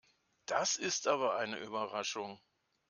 Das ist aber eine Überraschung.